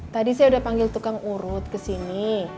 tadi saya udah panggil tukang urut ke sini